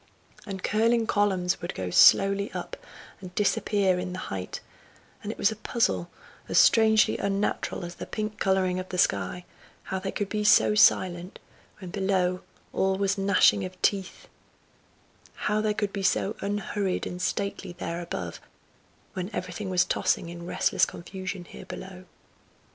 And curling columns would go slowly up and disappear in the height; and it was a puzzle, as strangely unnatural as the pink colouring of the sky, how they could be so silent, when below all was gnashing of teeth; how they could be so unhurried and stately there above, when everything was tossing in restless confusion here below.